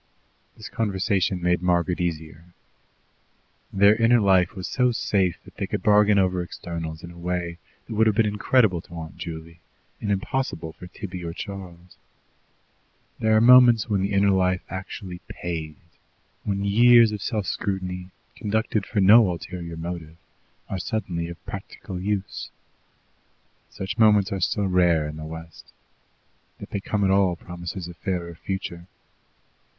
This conversation made Margaret easier. Their inner life was so safe that they could bargain over externals in a way that would have been incredible to Aunt Juley, and impossible for Tibby or Charles. There are moments when the inner life actually "pays," when years of self scrutiny, conducted for no ulterior motive, are suddenly of practical use. Such moments are still rare in the West; that they come at all promises a fairer future.